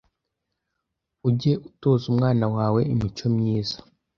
uge utoza umwana wawe imico myiza